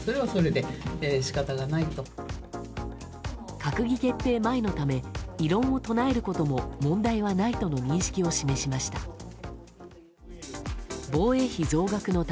閣議決定前のため異論を唱えることも問題はないとの認識を示しました。